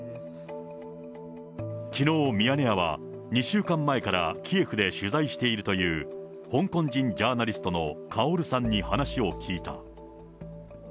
きのう、ミヤネ屋は、２週間前からキエフで取材しているという、香港人ジャーナリストのカオルさんに話を聞いた。